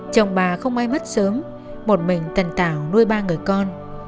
chồng bà không ai mất sớm một mình tần tạo nuôi ba người con